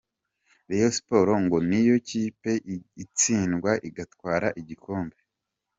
Rayons Sport ngo ni yo kipe itsindwa igatwara igikombe .